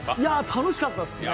楽しかったですね。